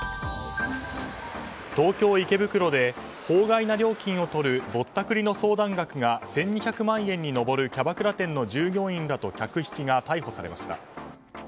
東京・池袋で法外な料金を取るぼったくりの相談額が１２００万円に上るキャバクラ店の従業員らと客引きが逮捕されました。